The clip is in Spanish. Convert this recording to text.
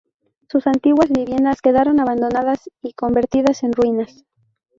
Sus antiguas viviendas quedaron abandonadas y convertidas en ruinas.